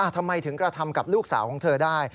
ทำไมถึงกระทำกับลูกสาวของเธอได้